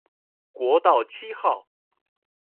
國道七號